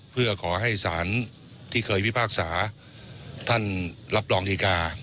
เพื่อขอให้สารที่เคยพิพากษาท่านรับรองดีการ์